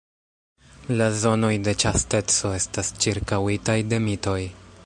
La zonoj de ĉasteco estas ĉirkaŭitaj de mitoj.